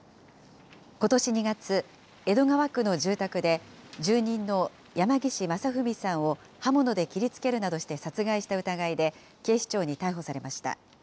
ことし２月、江戸川区の住宅で、住人の山岸正文さんを刃物で切りつけるなどして殺害した疑いで、警視庁に逮捕されました。